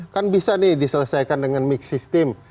kan bisa nih diselesaikan dengan mix system